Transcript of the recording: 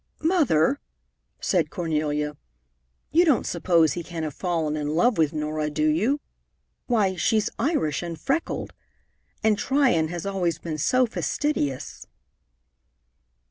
"Mother," said Cornelia, "you don't suppose he can have fallen in love with Norah, do you? Why, she's Irish and freckled! And Tryon has always been so fastidious!"